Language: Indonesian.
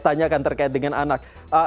tanyakan terkait dengan anak